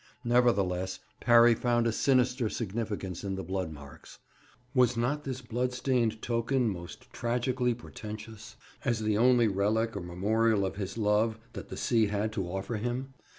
Nevertheless, Parry found a sinister significance in the blood marks. Was not this blood stained token most tragically portentous, as the only relic or memorial of his love that the sea had to offer him?